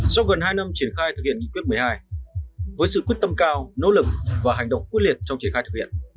sau gần hai năm triển khai thực hiện nghị quyết một mươi hai với sự quyết tâm cao nỗ lực và hành động quyết liệt trong triển khai thực hiện